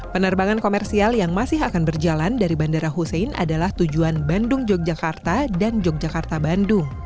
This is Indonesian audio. penerbangan komersial yang masih akan berjalan dari bandara husein adalah tujuan bandung yogyakarta dan yogyakarta bandung